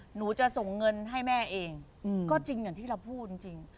หนูจะส่งเงินให้แม่เองก็จริงอย่างที่เราพูดจริง